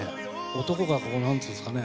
男がこうなんていうんですかね。